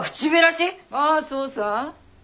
ああそうさ。